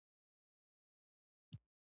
ثنا هره ورځ دوې پاڼي خط ليکي.